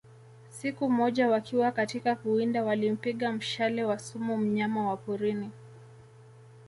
Sik moja wakiwa katika kuwinda walimpiga mshale wa sumu mnyama wa porini